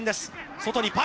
外にパス。